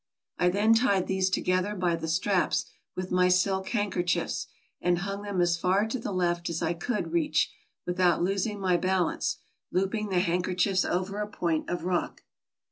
I then tied these together by the straps with my silk handkerchiefs, and hung them as far to the left as I could reach without losing my balance, looping the handkerchiefs over a point of rock.